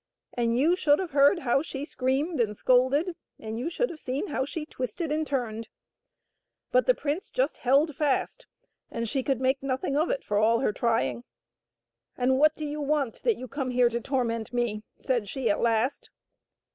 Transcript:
And you should have heard how she screamed and scolded, and you should have seen how she twisted and turned ! But the prince just held fast, and she could make nothing of it for all her trying. " And what do you want, that you come here to torment me ?" said she at last.